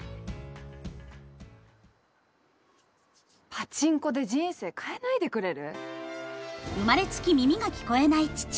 パチンコで人生変えないでくれる？